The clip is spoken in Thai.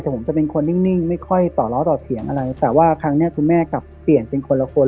แต่ผมจะเป็นคนนิ่งไม่ค่อยต่อล้อต่อเถียงอะไรแต่ว่าครั้งเนี้ยคุณแม่กลับเปลี่ยนเป็นคนละคน